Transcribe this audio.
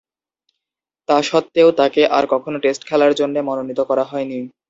তাসত্ত্বেও তাকে আর কখনো টেস্ট খেলার জন্যে মনোনীত করা হয়নি।